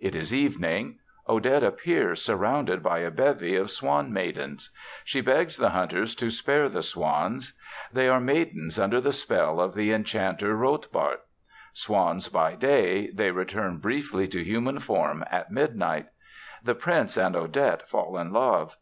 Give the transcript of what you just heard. It is evening. Odette appears surrounded by a bevy of swan maidens. She begs the hunters to spare the swans. They are maidens under the spell of the enchanter Rotbart. Swans by day, they return briefly to human form at midnight. The prince and Odette fall in love.